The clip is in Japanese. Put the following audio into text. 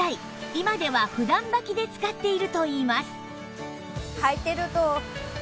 今では普段ばきで使っているといいます